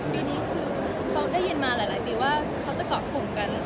ปีนี้คือเขาได้ยินมาหลายปีว่าเขาจะเกาะกลุ่มกัน